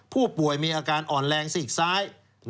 ผู้ป่วยมีอาการอ่อนแรงซีกซ้าย